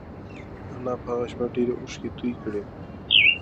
انا په هغه شپه ډېرې اوښکې تویې کړې.